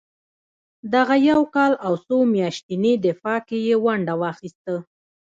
دغه یو کال او څو میاشتني دفاع کې یې ونډه واخیسته.